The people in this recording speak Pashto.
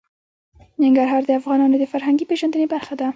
ننګرهار د افغانانو د فرهنګي پیژندنې برخه ده.